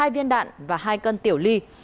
hai viên đạn và hai cân tiểu ly